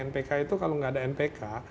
npk itu kalau nggak ada npk